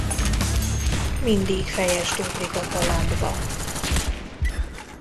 Mindig fejest ugrik a kalandba.